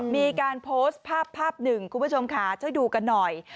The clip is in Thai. มีการโพสต์ภาพภาพหนึ่งคุณผู้ชมค่ะช่วยดูกันหน่อย